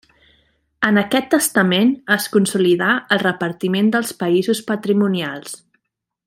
En aquest testament es consolidà el repartiment dels països patrimonials.